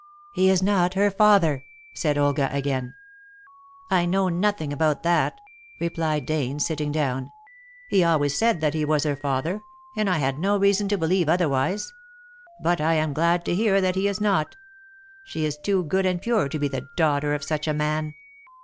"He is not her father," said Olga again. "I know nothing about that," replied Dane, sitting down; "he always said that he was her father, and I had no reason to believe otherwise. But I am glad to hear that he is not. She is too good and pure to be the daughter of such a man.